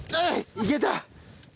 いけた！